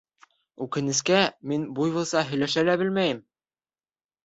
Үкенескә, мин буйволса һөйләшә лә белмәйем.